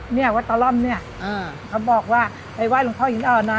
เนี่ยวัตรร่อมเนี่ยเขาบอกว่าไปไหว้ลูกพ่ออีกแล้วนะ